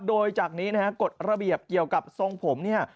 โดยจากนี้นะฮะกฎระเบียบเกี่ยวกับทรงผมเนี่ย